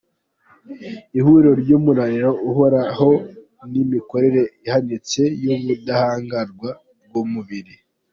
ihuriro ry’umunaniro uhoraho n’imikorere ihanitse y’ubudahangarwa bw’umubiri